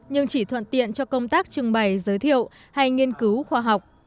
nhưng chỉ thuận tiện cho công tác trưng bày giới thiệu hay nghiên cứu khoa học